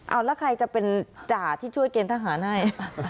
เอาแล้วใครจะเป็นจ่าที่ช่วยเกณฑหารให้